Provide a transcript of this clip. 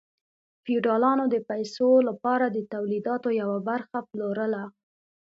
فیوډالانو د پیسو لپاره د تولیداتو یوه برخه پلورله.